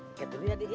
lihat dulu ya adik ya